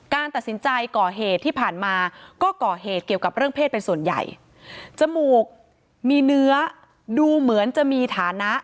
ก็ก่อเหตุเกี่ยวกับเรื่องเพศเป็นส่วนใหญ่จมูกมีเนื้อดูเหมือนจะมีฐานะ